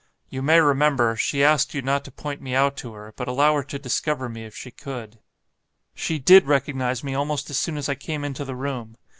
You may remember, she asked you not to point me out to her, but allow her to discover me if she could. She DID recognise me almost as soon as I came into the room.